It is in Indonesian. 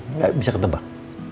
nggak bisa ketebak